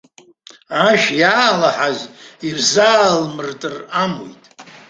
Ашә иаалаҳаз ирзаалмыртыр амуит.